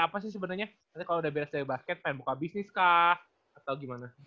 nanti kalo udah beres dari basket pengen buka bisnis kah